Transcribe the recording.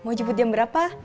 mau jeput jam berapa